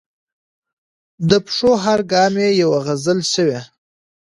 د پښو هر ګام یې یوه غزل شوې.